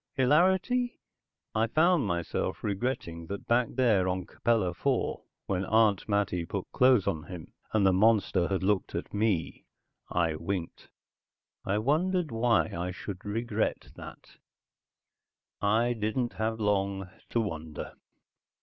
Hilarity? I found myself regretting that back there on Capella IV, when Aunt Mattie put clothes on him, and the monster had looked at me, I winked. I wondered why I should regret that. I didn't have long to wonder.